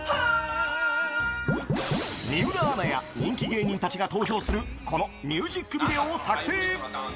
水卜アナや人気芸人たちが登場する、このミュージックビデオを作成。